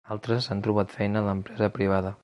Altres han trobat feina en l’empresa privada.